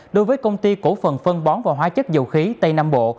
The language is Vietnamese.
đối với công ty cổ phần phân bón và hóa chất dầu khí tây nam bộ